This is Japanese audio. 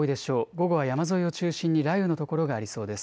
午後は山沿いを中心に雷雨の所がありそうです。